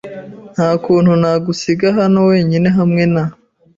Nta kuntu nagusiga hano wenyine hamwe na .